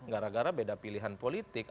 gara gara beda pilihan politik